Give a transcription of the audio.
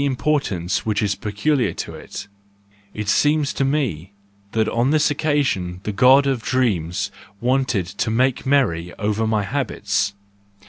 importance which is peculiar to it It seems to me that, on this occasion, the God of dreams wanted to make merry over my habits,—.